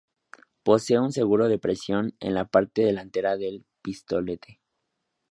Posee un seguro de presión en la parte delantera del pistolete.